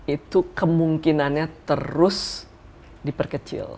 itu kemungkinannya terus diperkecil